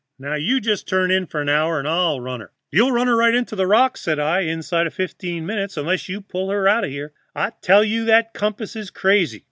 Now, you just turn in for an hour, and I'll run her.' "'You'll run her on the rocks,' said I, 'inside of fifteen minutes unless you pull her out of here. I tell you that compass is crazy.'